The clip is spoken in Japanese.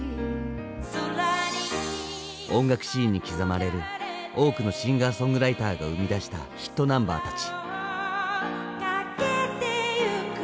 音楽シーンに刻まれる多くのシンガーソングライターが生み出したヒットナンバーたち。